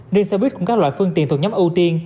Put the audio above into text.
riêng xe buýt cũng các loại phương tiện thuộc nhóm ưu tiên